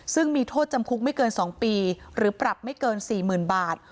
ซึ่งมีโทษจำคุกไม่เกิน๒ปีหรือปรับไม่เกิน๔๐๐๐บาท